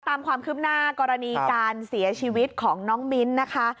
ตามความคืบหน้ากรณีการเสียชีวิตของน้องมิ้นนะคะ